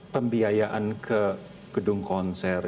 pembiayaan ke gedung konser